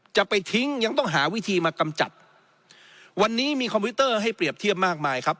จะไปทิ้งยังต้องหาวิธีมากำจัดวันนี้มีคอมพิวเตอร์ให้เปรียบเทียบมากมายครับ